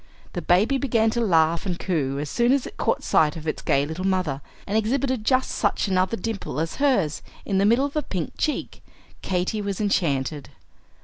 The baby began to laugh and coo as soon as it caught sight of its gay little mother, and exhibited just such another dimple as hers, in the middle of a pink cheek. Katy was enchanted.